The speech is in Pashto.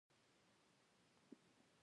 د ژبي خدمت، د وطن خدمت دی.